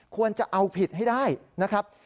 ควรจะเอาผิดให้ได้นะครับ